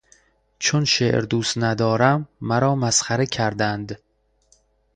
چون شعر دوست ندارم مرا مسخره کردند.